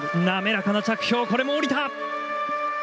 滑らかな着氷これも降りた！